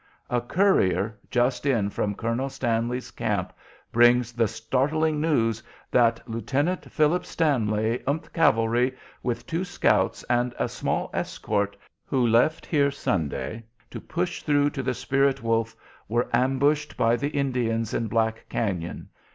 "A courier just in from Colonel Stanley's camp brings the startling news that Lieutenant Philip Stanley, th Cavalry, with two scouts and a small escort, who left here Sunday, hoping to push through to the Spirit Wolf, were ambushed by the Indians in Black Cañon.